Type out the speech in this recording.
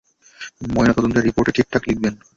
ময়নাতদন্তের রিপোর্টে ঠিকঠাক লিখবেন।